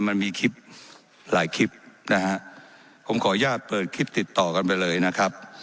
มันมีคลิปหลายคลิปนะฮะผมขออนุญาตเปิดคลิปติดต่อกันไปเลยนะครับ